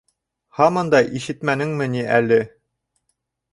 — Һаман да ишетмәнеңме ни әле?